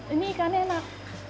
ini ikannya enak